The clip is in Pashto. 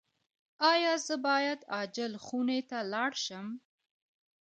ایا زه باید عاجل خونې ته لاړ شم؟